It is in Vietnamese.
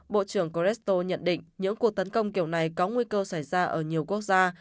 bộ trưởng cristo nhận định những cuộc tấn công kiểu này có nguy cơ xảy ra ở nhiều quốc gia